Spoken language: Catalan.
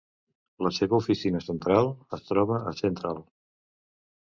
La seva oficina central es troba a Central.